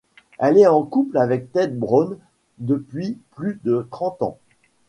Elle est en couple avec Ted Brown depuis plus de trente ans.